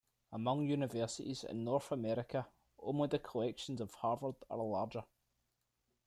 Among universities in North America, only the collections of Harvard are larger.